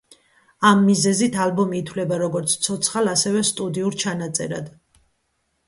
ამ მიზეზით ალბომი ითვლება როგორც ცოცხალ, ასევე სტუდიურ ჩანაწერად.